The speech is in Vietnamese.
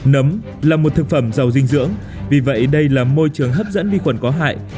nấm là một thực phẩm giàu dinh dưỡng vì vậy đây là môi trường hấp dẫn vi khuẩn có hại